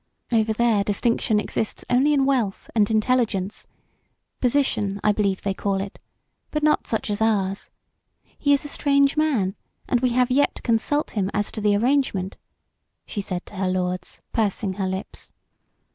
Over there distinction exists only in wealth and intelligence position, I believe they call it, but not such as ours. He is a strange man, and we have yet to consult him as to the arrangement," she said to her lords, pursing her lips.